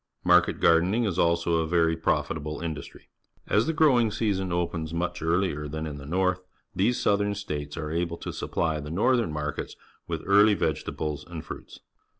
Market gardening is also a very profitable industry. As the growing season opens much earlier than in the north, these Southern States are able to supply the northern markets with early vegetables and fruits.